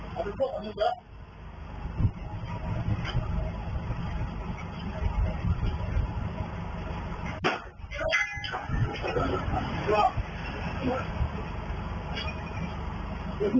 ก็ได้ทั้งจากแก่การพอรอคำตอบ